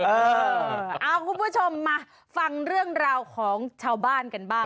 เออเอาคุณผู้ชมมาฟังเรื่องราวของชาวบ้านกันบ้าง